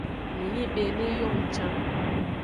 Nunibe ne yong can.